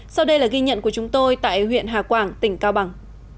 sau đây là ghi nhận của chúng tôi tại huyện hà quảng tỉnh cao bằng